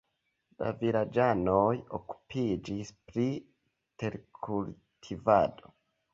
La vilaĝanoj okupiĝis pri terkultivado.